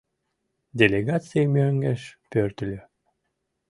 Делегаций мӧҥгеш пӧртыльӧ.